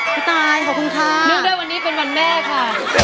ตายขอบคุณค่ะนึกได้วันนี้เป็นวันแม่ค่ะ